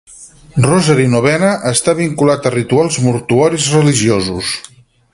Rosary Novena està vinculat a rituals mortuoris religiosos.